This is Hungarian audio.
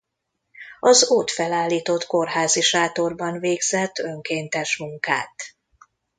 Az ott felállított kórházi sátorban végzett önkéntes munkát.